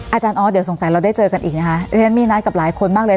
อาจารย์ออสเดี๋ยวสงสัยเราได้เจอกันอีกนะคะที่ฉันมีนัดกับหลายคนมากเลย